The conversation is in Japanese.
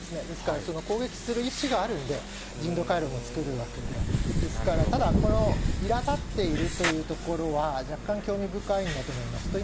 ですから、その攻撃する意思があるんで、人道回廊も作るわけで、ですから、ただ、このいらだっているというところは、若干興味深いんだと思います。